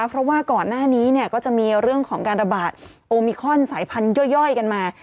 เพราะว่าก่อนหน้านี้ก็จะมีเรื่องของการระบาดโอมิคอนสายพันธย่อยกันมา